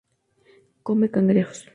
Come cangrejos.